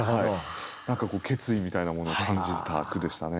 何かこう決意みたいなものを感じた句でしたね。